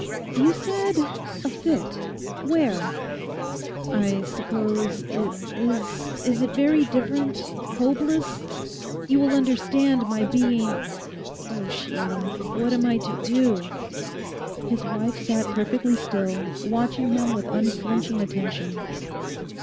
'You said "a fit"—where?' 'I suppose—is—is it very different—hopeless? You will understand my being... O Sheila, what am I to do?' His wife sat perfectly still, watching him with unflinching attention.